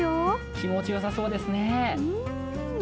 気持ち良さそうですねうん。